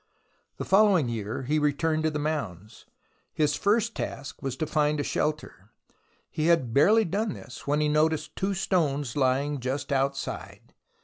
The following year he returned to the mounds. His first task was to find a shelter. He had barely done this when he noticed two stones lying just outside.